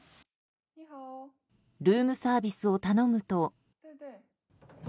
ルームサービスを頼むと。